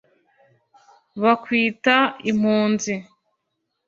bakwita impunzi,